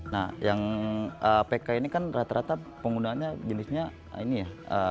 nah yang apk ini kan rata rata penggunaannya jenisnya ini ya